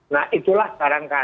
nah itulah sekarang kali